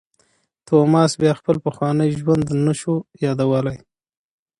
توماس بیا خپل پخوانی ژوند نه شو یادولای.